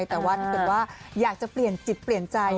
แต่ว่าอยากจะเปลี่ยนจิตเปลี่ยนใจ